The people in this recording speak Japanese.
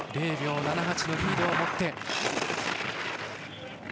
０秒７８のリードを持って。